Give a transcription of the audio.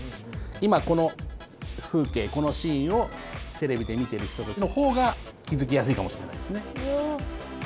今この風景このシーンをテレビで見てる人たちのほうが気づきやすいかもしれないですね。